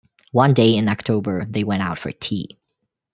One day in October they went out for tea.